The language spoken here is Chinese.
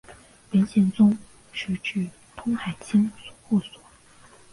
元宪宗时置通海千户所。